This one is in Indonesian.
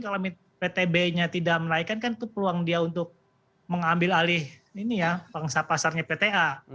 kalau ptb nya tidak menaikkan kan itu peluang dia untuk mengambil alih ini ya bangsa pasarnya pta